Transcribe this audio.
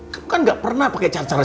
kamu kan gak pernah pakai cara cara